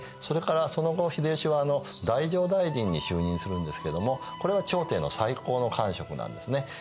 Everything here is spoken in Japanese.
それからその後秀吉は太政大臣に就任するんですけどもこれは朝廷の最高の官職なんですね。